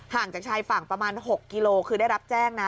จากชายฝั่งประมาณ๖กิโลคือได้รับแจ้งนะ